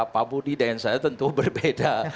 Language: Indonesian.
pak budi dan saya tentu berbeda